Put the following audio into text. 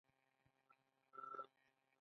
ایا ستاسو قباله به شرعي وي؟